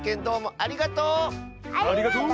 ありがとう！